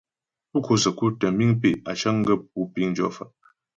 Pú ko'o səku tə́ miŋ pé' á cəŋ gaə́ pú piŋ jɔ fa'.